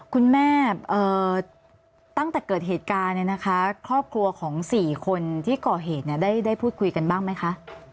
คุณแม่ตั้งแต่เกิดเหตุการณ์เนี่ยนะคะครอบครัวของ๔คนที่ก่อเหตุได้พูดคุยกันบ้างไหมคะ